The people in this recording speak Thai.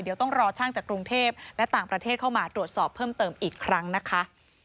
เดี๋ยวต้องรอช่างจากกรุงเทพและต่างประเทศเข้ามาตรวจสอบเพิ่มเติมอีกครั้งนะคะ